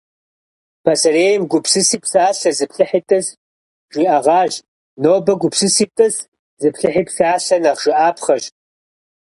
Пасэрейм «гупсыси псалъэ, зыплъыхьи тӏыс» жиӏэгъащ. Нобэ «гупсыси тӏыс, зыплъыхьи псалъэ» нэхъ жыӏапхъэщ.